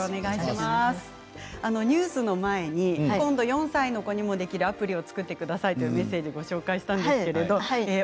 ニュースの前に今度、４歳の子にもできるアプリを作ってくださいというメッセージをご紹介しました。